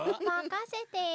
まかせて。